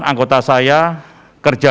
anggota saya kerja